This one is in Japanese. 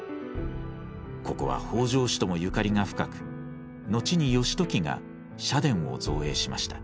ここは北条氏ともゆかりが深く後に義時が社殿を造営しました。